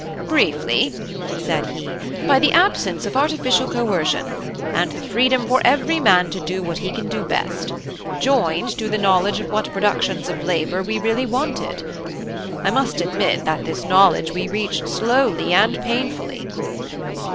"Briefly," said he, "by the absence of artificial coercion, and the freedom for every man to do what he can do best, joined to the knowledge of what productions of labour we really wanted. I must admit that this knowledge we reached slowly and painfully."